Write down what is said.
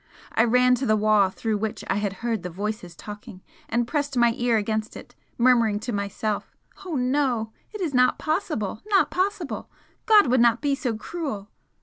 I ran to the wall through which I had heard the voices talking and pressed my ear against it, murmuring to myself "Oh no! it is not possible! not possible! God would not be so cruel!"